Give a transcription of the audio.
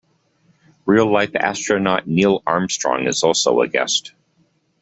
Real-life astronaut Neil Armstrong is also a guest.